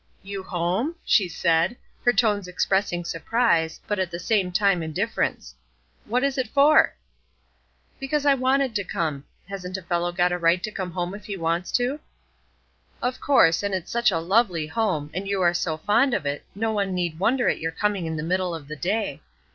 "You home?" she said, her tones expressing surprise, but at the same time indifference. "What is it for?" "Because I wanted to come. Hasn't a fellow a right to come home if he wants to?" "Of course; and it's such a lovely home, and you are so fond of it, no one need wonder at your coming in the middle of the day."